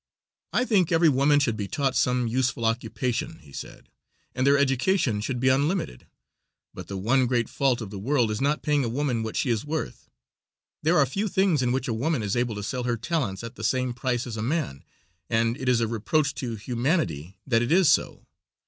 "I think every woman should be taught some useful occupation," he said, "and their education should be unlimited. But the one great fault of the world is not paying a woman what she is worth. There are few things in which a woman is able to sell her talents at the same price as a man, and it is a reproach to humanity that it is so.